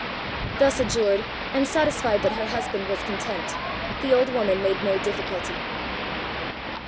Thus adjured, and satisfied that her husband was content, the old woman made no difficulty.